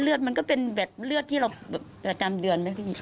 เลือดมันก็เป็นแบตเลือดที่เราประจำเดือน